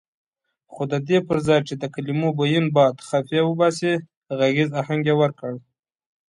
خو ددې پرځای چې د کلمو بوین باد خفیه وباسي غږیز اهنګ یې ورکړ.